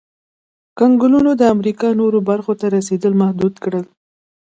کنګلونو د امریکا نورو برخو ته رسېدل محدود کړل.